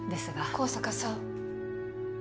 香坂さん